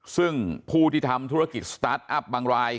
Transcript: ซึ่งผู้ที่ทำธุรกิจสตาร์ทอัพบางราย